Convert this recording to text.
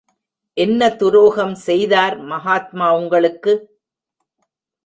என்ன துரோகம் செய்தார் மகாத்மா உங்களுக்கு?